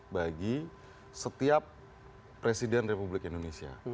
bagi setiap presiden republik indonesia